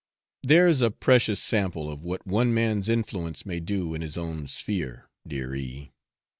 There's a precious sample of what one man's influence may do in his own sphere, dear E